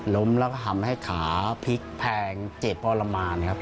ล้มแล้วก็ทำให้ขาพลิกแพงเจ็บทรมานครับ